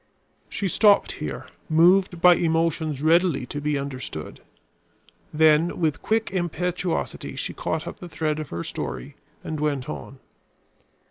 She stopped here, moved by emotions readily to be understood. Then with quick impetuosity she caught up the thread of her story and went on.